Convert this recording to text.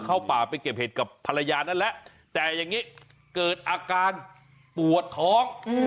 เข้าป่าไปเก็บเห็ดกับภรรยานั่นแหละแต่อย่างนี้เกิดอาการปวดท้อง